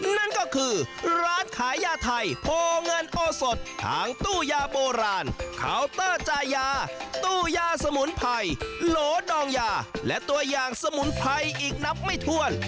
นั่นก็คือร้านขายยาไทยโพเงินโอสดทางตู้ยาโบราณเคาน์เตอร์จายาตู้ยาสมุนไพรโหลดองยาและตัวอย่างสมุนไพรอีกนับไม่ถ้วน